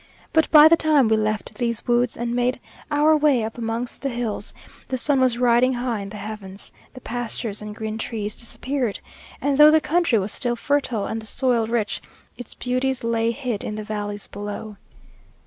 But by the time we left these woods, and made our way up amongst the hills, the sun was riding high in the heavens, the pastures and green trees disappeared, and, though the country was still fertile and the soil rich, its beauties lay hid in the valleys below.